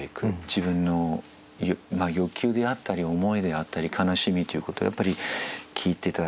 自分の欲求であったり思いであったり悲しみということをやっぱり聞いて頂きたいという。